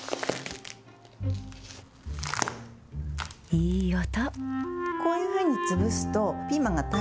いい音。